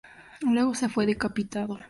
Luego fue decapitado.